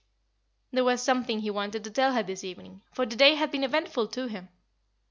There was something he wanted to tell her this evening; for the day had been eventful to him.